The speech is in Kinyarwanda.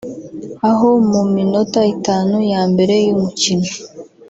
aho mu minota itanu ya mbere y’umukino